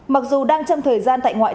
mặc dù đang chăm thời gian tại ngoại